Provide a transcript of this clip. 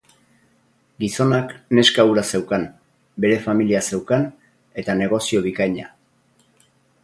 Gizonak neska hura zeukan, bere familia zeukan eta negozio bikaina.